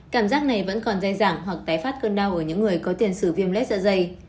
cảm giác này vẫn còn dây dẳng hoặc tái phát cơn đau ở những người có tiền sử viêm lết dạ dày